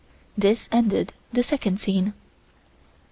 This ended the second scene.